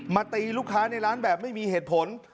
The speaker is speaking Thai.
ตีลูกค้าในร้านแบบไม่มีเหตุผล